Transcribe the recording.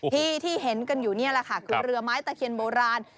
ที่ที่เห็นกันอยู่นี่แหละค่ะคือเรือไม้ตะเคียนโบราณ